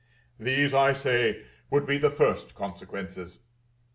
These, I say, would be the first consequences.